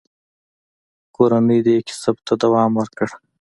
کورنۍ دې کسب ته دوام ورکړ.